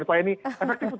supaya ini efektif